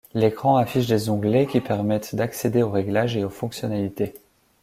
L'écran affiche des onglets qui permettent d'accéder aux réglages et aux fonctionnalités.